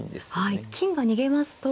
はい金が逃げますと。